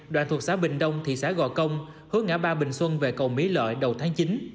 đoạn thuộc xã bình đông thị xã gò công hướng ngã ba bình xuân về cầu mỹ lợi đầu tháng chín